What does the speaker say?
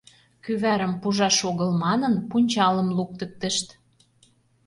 Кӱварым пужаш огыл манын, пунчалым луктыктышт».